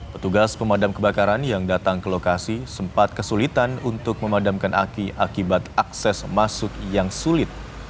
petugas pemadam kebakaran yang datang ke lokasi sempat kesulitan untuk memadamkan aki akibat akses masuk yang sulit